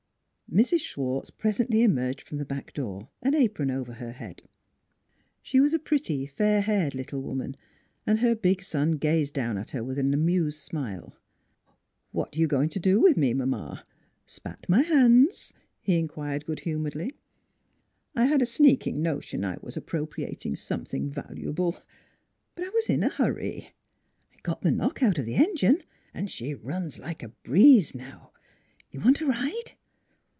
Mrs. Schwartz presently emerged from the back door, an apron over her head. She was a pretty, fair haired little woman, and her big son gazed down at her with an amused smile. " What you going to do with me, mamma 89 9 o NEIGHBORS spat my hands?" he inquired good humoredly. " I had a sneaking notion I was appropriating something valuable; but I was in a hurry. ... Got the knock out the engine; she runs like a breeze now. Want a ride?